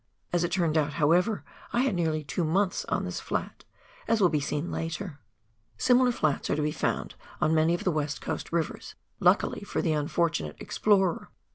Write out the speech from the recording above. As it turned out, however, I had nearly two months on this flat, as will be seen later. Similar flats are to be found on many of the "West Coast rivers luckily for the unfortunate explorer.